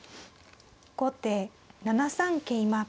後手７三桂馬。